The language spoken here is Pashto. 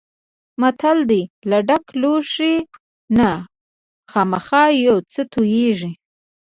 متل دی: له ډک لوښي نه خامخا یو څه تویېږي.